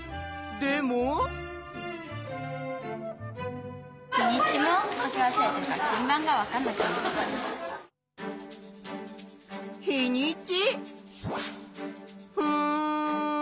でも？日にち？